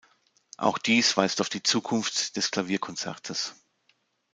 Auch dies weist auf die Zukunft des Klavierkonzertes.